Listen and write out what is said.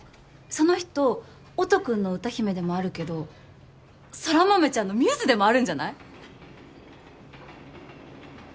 その人音くんの歌姫でもあるけど空豆ちゃんのミューズでもあるんじゃない？